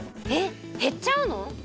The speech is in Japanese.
えっへっちゃうの？